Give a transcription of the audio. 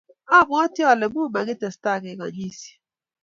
abwoti ale mumakitesetai kekanyisiei